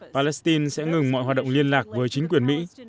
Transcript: palestine sẽ ngừng mọi hoạt động liên lạc với chính quyền mỹ